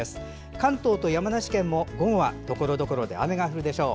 関東と山梨県も午後はところどころで雨が降るでしょう。